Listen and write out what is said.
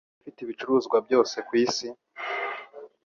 kandi ninde ufite ibicuruzwa byose kwisi